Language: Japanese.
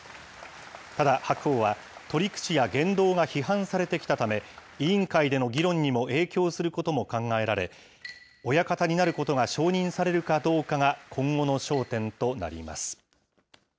ただ、白鵬は取り口や言動が批判されてきたため、委員会での議論にも影響することも考えられ、親方になることが承認されるかどうかが今後の焦点となります。